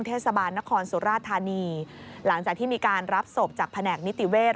เทศบาลนครสุราธานีหลังจากที่มีการรับศพจากแผนกนิติเวศ